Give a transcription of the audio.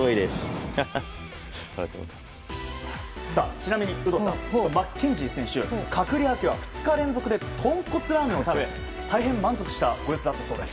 ちなみに有働さんマッケンジー選手隔離明けは２日連続で豚骨ラーメンを食べ大変満足したご様子だったようです。